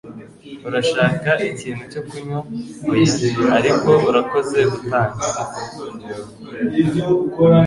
Urashaka ikintu cyo kunywa?" "Oya, ariko urakoze gutanga."